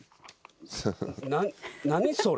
何それ？